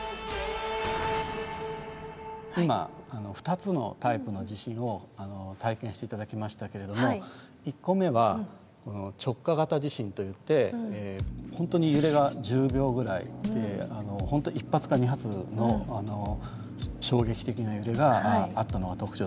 今２つのタイプの地震を体験して頂きましたけれども本当に揺れが１０秒ぐらいで本当一発か二発の衝撃的な揺れがあったのが特徴だと。